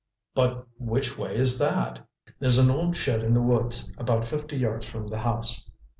"But which way is that?" "There's an old shed in the woods about fifty yards from the house.